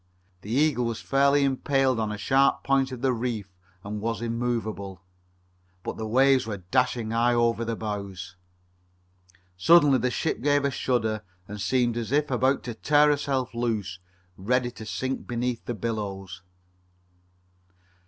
The Eagle was fairly impaled on a sharp point of the sunken reef and was immovable, but the waves were dashing high over the bows. Suddenly the ship gave a shudder and seemed as if about to tear herself loose, ready to sink beneath the billows.